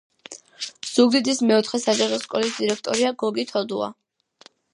ზუგდიდის მეოთხე საჯარო სკოლის დირექტორია გოგი თოდუა